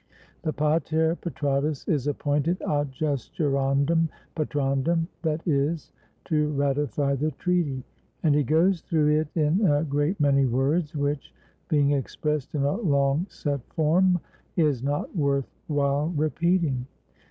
The pater patratus is appointed ^^adjusjurandum patran dum,'' that is, to ratify the treaty; and he goes through it in a great many words, which, being expressed in a long set form, it is not worth while repeating.